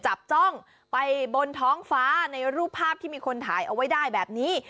จับจ้องไปบนท้องฟ้าในรูปภาพที่มีคนถ่ายเอาไว้ได้แบบนี้